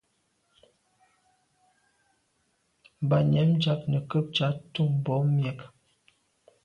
Ba nyàm diag nekeb ntsha ntùm bwôg miag.